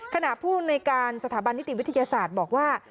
ผู้อำนวยการสถาบันนิติวิทยาศาสตร์บอกว่า